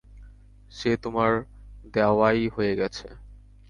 সে তোমার দেওয়াই হয়ে গেছে।